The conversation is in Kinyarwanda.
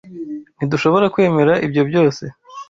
Ntidushobora kwemera ibyo byose.